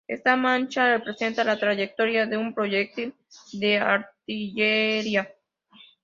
Esta mancha representa la trayectoria de un proyectil de artillería.